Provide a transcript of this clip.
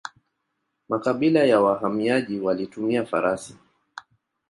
Makabila ya wahamiaji walitumia farasi.